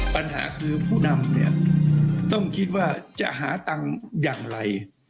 ปัญหาคือผู้นำเนี่ยต้องคิดว่าจะหาตังค์อย่างไร